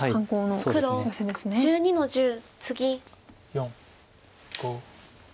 ４５。